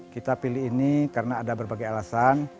kita pilih ini karena ada berbagai alasan